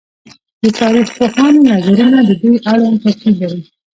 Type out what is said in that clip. د تاريخ پوهانو نظرونه د دوی اړوند توپير لري